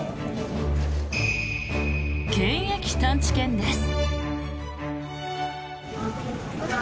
検疫探知犬です。